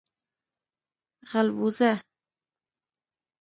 🐜 غلبوزه